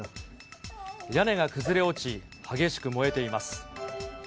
屋根が崩れ落ち、激しく燃えています。